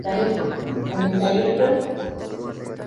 Eso se espera de usted.